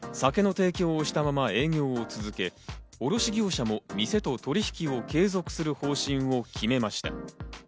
酒の提供をしたまま営業を続け、卸業者も店と取引を継続する方針を決めました。